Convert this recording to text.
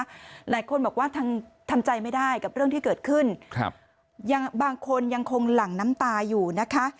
หลายคนบอกว่าทำใจไม่ได้กับเรื่องที่เกิดขึ้นครับยังบางคนยังคงหลั่งน้ำตาอยู่นะคะ